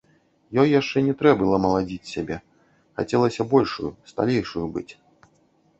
Ёй яшчэ не трэ было маладзіць сябе, хацелася большаю, сталейшаю быць.